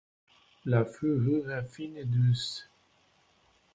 La fourrure est fine et douce.